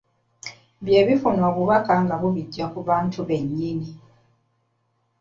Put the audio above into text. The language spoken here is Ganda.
Bye bifuna obubaka nga bibuggya ku bintu byennyini.